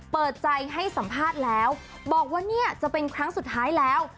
เปิดใจให้สัมภาษณ์แล้วบอกว่าเนี่ยจะเป็นครั้งสุดท้ายแล้ว